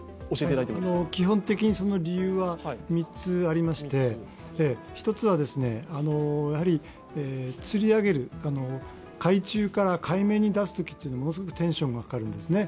基本的にその理由は３つありまして、１つは、やはりつり上げる、海中から海面に出すときはものすごくテンションがかかるんですね。